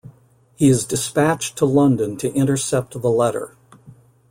He is dispatched to London to intercept the letter.